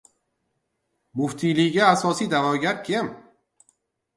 Muftiylikka asosiy da’vogar kim?